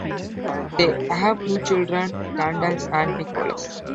They have two children: Candace and Nicholas.